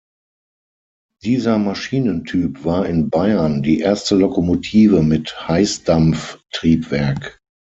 Dieser Maschinentyp war in Bayern die erste Lokomotive mit Heißdampf-Triebwerk.